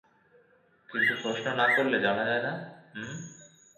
কিন্তু প্রশ্ন না করলে জানা যায় না, হুম?